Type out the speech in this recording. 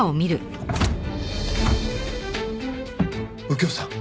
右京さん！